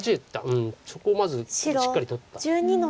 うんそこをまずしっかり取った。